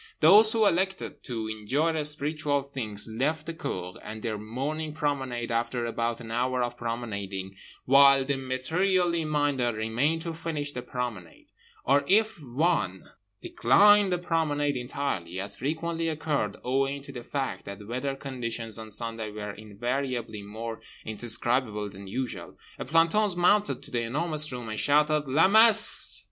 Those who elected to enjoy spiritual things left the cour and their morning promenade after about an hour of promenading, while the materially minded remained to finish the promenade; or if one declined the promenade entirely (as frequently occurred owing to the fact that weather conditions on Sunday were invariably more indescribable than usual) a planton mounted to The Enormous Room and shouted, "_La Messe!